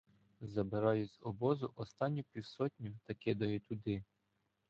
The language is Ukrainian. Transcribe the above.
Забираю з обозу останню півсотню та кидаю туди.